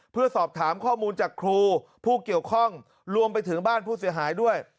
เพื่อสอบถามข้อมูลจากครูผู้เกี่ยวข้องรวมไปถึงบ้านผู้เสียหายด้วย